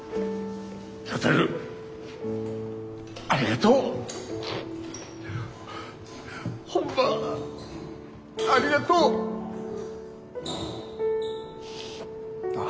ありがとうホンマありがとう！ああ。